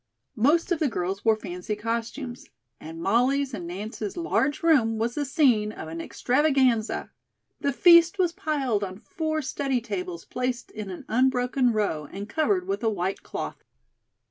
Most of the girls wore fancy costumes, and Molly's and Nance's large room was the scene of an extravaganza. The feast was piled on four study tables placed in an unbroken row and covered with a white cloth.